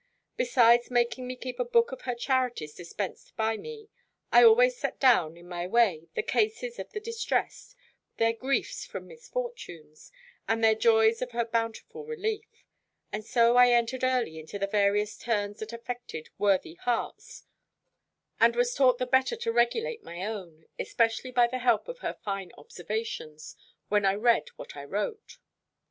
Besides making me keep a book of her charities dispensed by me, I always set down, in my way, the cases of the distressed, their griefs from misfortunes, and their joys of her bountiful relief; and so I entered early into the various turns that affected worthy hearts, and was taught the better to regulate my own, especially by the help of her fine observations, when I read what I wrote.